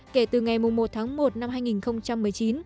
kể từ ngày một tháng một năm hai nghìn một mươi chín